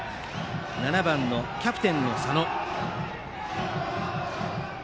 ７番のキャプテンの佐野。